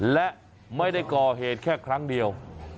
และไม่ได้ก่อเหตุแค่ครั้งเดียว